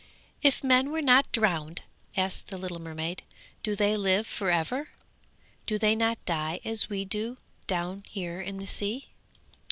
'If men are not drowned,' asked the little mermaid, 'do they live for ever? Do they not die as we do down here in the sea?'